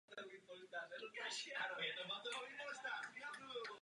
Nejčastější překážkou udržení porozumění bývá zpochybňování výkladu dohodnutých skutečností.